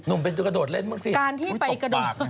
หนุ่มไปกระโดดเล่นบ้างสิตกปาก